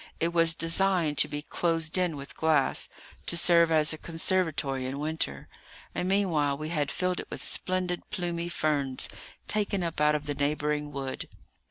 It was designed to be closed in with glass, to serve as a conservatory in winter; and meanwhile we had filled it with splendid plumy ferns, taken up out of the neighbouring wood.